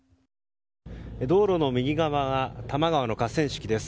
道路の右側が多摩川の河川敷です。